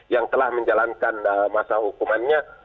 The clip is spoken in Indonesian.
yang telah menjalankan masa hukumannya